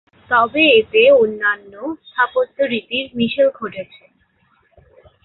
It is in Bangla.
তবে এতে অন্যান্য স্থাপত্য রীতির মিশেল ঘটেছে।